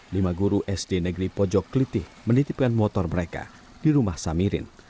lima guru sd negeri pojok kelitih menitipkan motor mereka di rumah samirin